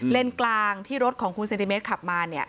เลนส์กลางที่รถของคุณเซนติเมตรขับมา